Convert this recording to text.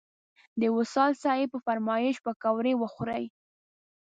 د وصال صیب په فرمایش پکوړې وخوړې.